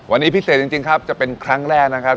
วันนี้พิเศษจริงครับจะเป็นครั้งแรกนะครับ